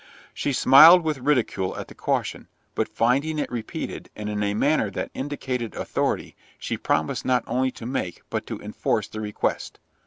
She smiled with ridicule at the caution, but finding it repeated, and in a manner that indicated authority, she promised not only to make, but to enforce the request.